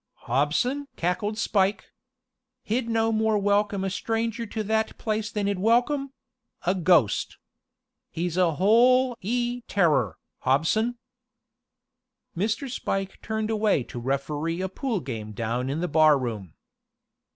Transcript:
"Hobson?" cackled Spike. "He'd no more welcome a stranger to that place than he'd welcome a ghost. He's a hol ee terror, Hobson!" Mr. Spike turned away to referee a pool game down in the barroom.